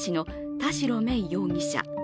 田代芽衣容疑者。